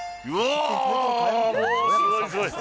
すごい。